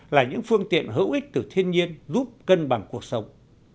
là những phương tiện hữu ích từ thiên nhiên giúp cân bằng cuộc sống